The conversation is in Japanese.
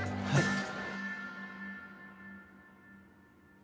はい！